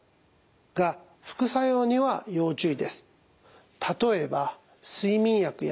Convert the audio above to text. が副作用には要注意です。